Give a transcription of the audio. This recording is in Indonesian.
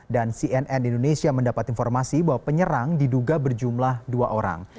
dan cnn indonesia mendapat informasi bahwa penyerang diduga berjumlah dua orang